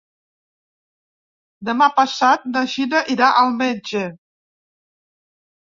Demà passat na Gina irà al metge.